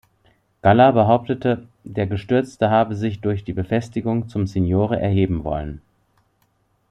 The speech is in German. Galla behauptete, der Gestürzte habe sich durch die Befestigung zum „signore“ erheben wollen.